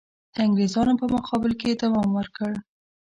د انګرېزانو په مقابل کې یې دوام ورکړ.